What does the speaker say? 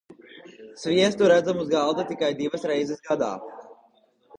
Sviestu redzam uz galda tikai divas reizes gadā.